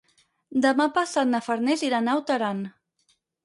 Demà passat na Farners irà a Naut Aran.